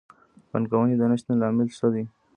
د پانګونې د نه شتون لامل څه دی؟